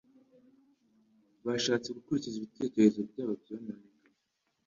Bashatse gukurikiza ibitekerezo byabo byononekaye.